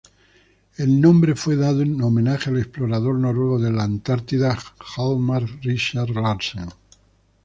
El nombre fue dado en homenaje al explorador noruego de la Antártida Hjalmar Riiser-Larsen.